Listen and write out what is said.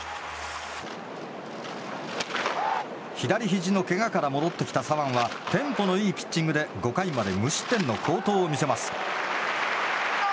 左ひじのけがから戻ってきた左腕はテンポのいいピッチングで５回まで無失点の好投を見せます。